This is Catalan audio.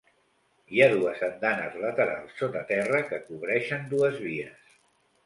Hi ha dues andanes laterals sota terra que cobreixen dues vies.